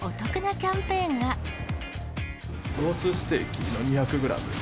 ロースステーキの２００グラムです。